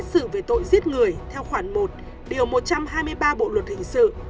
tòa án nhân dân phú yên xét xử về tội giết người theo khoản một điều một trăm hai mươi ba bộ luật hình sự